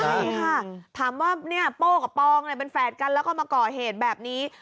ใช่ค่ะถามว่าเนี่ยโป้กับปองเป็นแฝดกันแล้วก็มาก่อเหตุแบบนี้